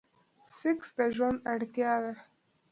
سيکس د ژوند اړتيا ده.